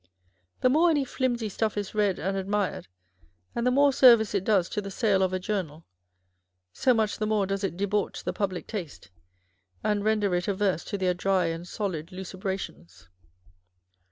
The more any flimsy stuff is read and admired, and the more service it does to the sale of a journal, so much the more does it debauch the public taste, and render it averse to their dry and solid lucubrations.